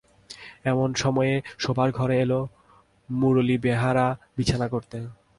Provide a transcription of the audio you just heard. এমন সময়ে শোবার ঘরে এল মুরলী বেহারা বিছানা করতে।